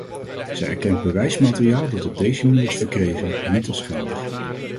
Zij erkent bewijsmateriaal dat op deze manier is verkregen, niet als geldig.